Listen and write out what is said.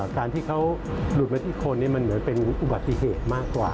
การที่เขาหลุดมาที่คนมันเหมือนเป็นอุบัติเหตุมากกว่า